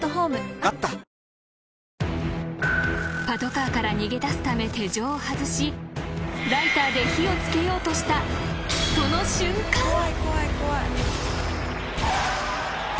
［パトカーから逃げ出すため手錠を外しライターで火を付けようとしたその瞬間］